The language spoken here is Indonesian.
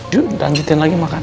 yuk lanjutin lagi makan